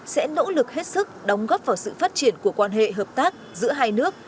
sẽ nỗ lực hết sức đóng góp vào sự phát triển của quan hệ hợp tác giữa hai nước